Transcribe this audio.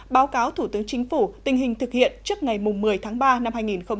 báo cáo thủ tướng chính phủ tình hình thực hiện trước ngày một mươi tháng ba năm hai nghìn hai mươi